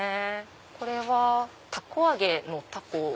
これはたこ揚げのたこ。